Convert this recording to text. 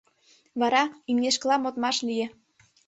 Вара «имнешкыла модмаш» лие.